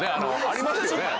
ありますよね。